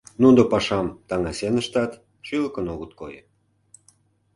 Нуно пашам таҥасен ыштат, шӱлыкын огыт кой.